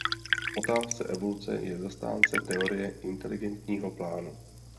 V otázce evoluce je zastánce teorie inteligentního plánu.